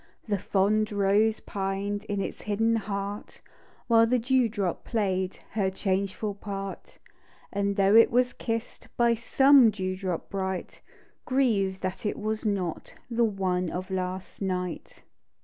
The fond rose pined In its hidden heart While the dew drop play'd Her changeful part. And though it was kiss'd By some dew drop bright, Griev'd that it was not The one of last night.